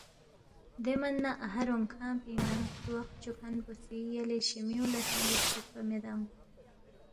دے من نہ اَہا رونگ کھنگ پِنگ نہ تواق فچوکھن پو سی یلے شِمیُونگ لہ سہ دُوک چُوکپا میدانگ“